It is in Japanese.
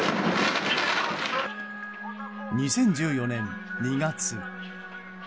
２０１４年２月。